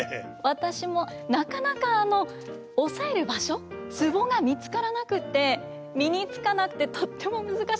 私もなかなか押さえる場所ツボが見つからなくて身につかなくてとっても難しかった印象があります。